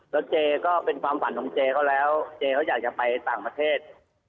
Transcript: แล้วเจก็เป็นความฝันของเจเขาแล้วเจเขาอยากจะไปต่างประเทศ